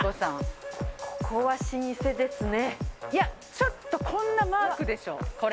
ちょっとこんなマークでしょこれ。